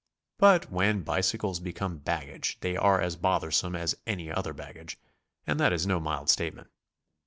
But when bicycles become baggage, they are as bothersome as any other baggage, and that is no mild statement.